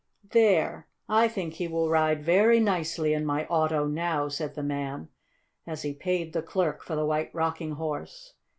"There, I think he will ride very nicely in my auto now," said the man, as he paid the clerk for the White Rocking Horse.